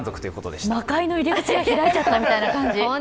ちょっと、魔界の入り口が開いちゃったみたいな感じ。